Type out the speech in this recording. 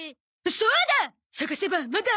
そうだ！